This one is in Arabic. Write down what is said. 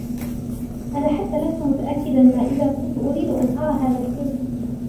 أنا حتى لستُ متأكداً ما إذا كُنتُ أريد أن أرى هذا الفيلم.